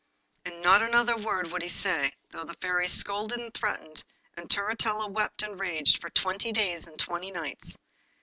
And not another word would he say, though the Fairy scolded and threatened, and Turritella wept and raged for twenty days and twenty nights.